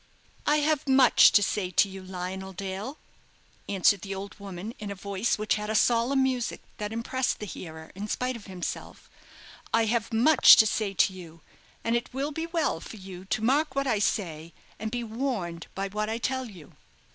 "I have much to say to you, Lionel Dale," answered the old woman, in a voice which had a solemn music, that impressed the hearer in spite of himself; "I have much to say to you, and it will be well for you to mark what I say, and be warned by what I tell you."